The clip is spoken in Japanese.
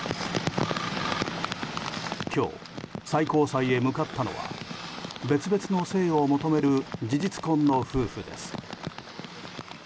今日、最高裁へ向かったのは別々の姓を求める事実婚の夫婦です。